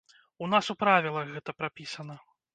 У нас у правілах гэта прапісана.